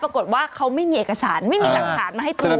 ปรากฏว่าเขาไม่มีเอกสารไม่มีหลักฐานมาให้ตำรวจ